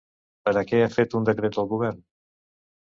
Per a què ha fet un decret el govern?